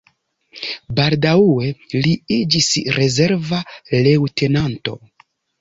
Baldaŭe li iĝis rezerva leŭtenanto.